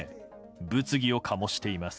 物議を醸しています。